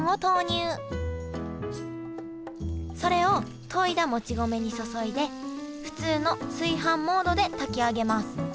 それをといだもち米に注いで普通の炊飯モードで炊き上げます